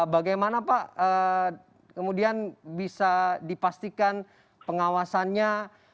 bagaimana pak kemudian bisa dipastikan pengawasannya